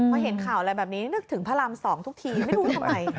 พอเห็นข่าวอะไรแบบนี้นึกถึงพระราม๒ทุกทีไม่รู้ทำไม